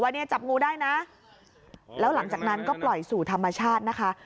เนี่ยจับงูได้นะแล้วหลังจากนั้นก็ปล่อยสู่ธรรมชาตินะคะ